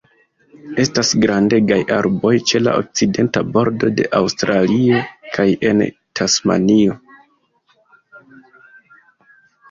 Estas grandegaj arboj ĉe la okcidenta bordo de Aŭstralio kaj en Tasmanio.